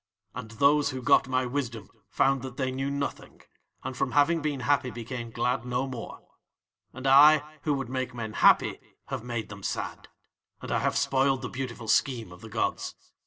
And those who got my wisdom found that they knew nothing, and from having been happy became glad no more. "'And I, who would make men happy, have made them sad, and I have spoiled the beautiful scheme of the gods.